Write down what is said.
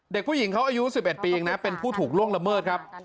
เด็กผู้หญิงเขาอายุ๑๑ปีเองนะเป็นผู้ถูกล่วงละเมิดครับ